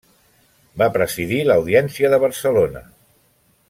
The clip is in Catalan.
Va presidir l'Audiència de Barcelona.